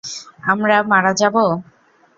আমরা মারা যাবো?